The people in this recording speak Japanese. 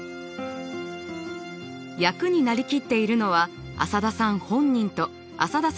役になりきっているのは浅田さん本人と浅田さんの家族。